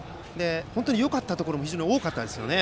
本当によかったところも多かったですよね。